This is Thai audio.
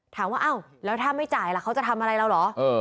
ถามว่าอ้าวแล้วถ้าไม่จ่ายล่ะเขาจะทำอะไรเราเหรอ